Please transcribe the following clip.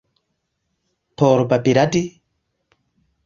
Por babiladi?